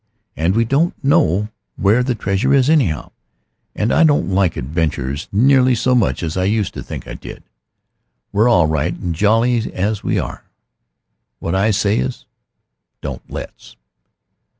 And we don't know where the treasure is, anyhow. And I don't like adventures nearly so much as I used to think I did. We're all right and jolly as we are. What I say is, 'Don't let's.'"